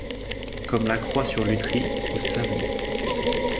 Comme La Croix sur Lutry, ou Savuit.